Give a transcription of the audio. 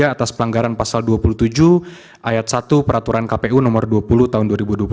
atas pelanggaran pasal dua puluh tujuh ayat satu peraturan kpu nomor dua puluh tahun dua ribu dua puluh